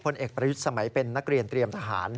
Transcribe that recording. เอกประยุทธ์สมัยเป็นนักเรียนเตรียมทหาร